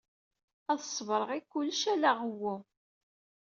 Ad ṣebreɣ i kullec ala i ɣewwu.